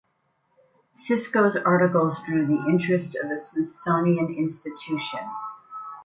Cisco's articles drew the interest of the Smithsonian Institution.